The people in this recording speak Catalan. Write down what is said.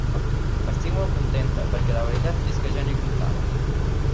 Estic molt contenta, perquè la veritat és que ja no hi comptava.